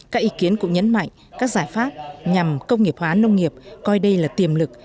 các ý kiến cũng nhấn mạnh các giải pháp nhằm công nghiệp hóa nông nghiệp coi đây là tiềm lực